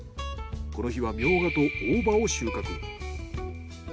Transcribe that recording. この日はミョウガと大葉を収穫。